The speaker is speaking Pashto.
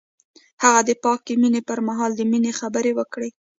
هغه د پاک مینه پر مهال د مینې خبرې وکړې.